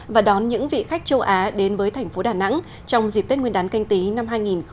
và đón những vị khách châu á đến với thành phố đà nẵng trong dịp tết nguyên đán canh tí năm hai nghìn hai mươi